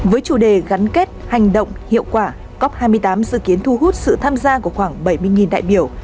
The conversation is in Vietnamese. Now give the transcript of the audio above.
với chủ đề gắn kết hành động hiệu quả cop hai mươi tám dự kiến thu hút sự tham gia của khoảng bảy mươi đại biểu